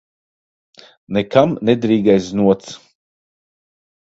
Nekam nederīgais znots.